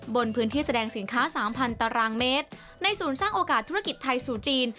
บนพื้นที่แสดงสินค้า๓๐๐ตารางเมตรในศูนย์สร้างโอกาสธุรกิจไทยสู่จีน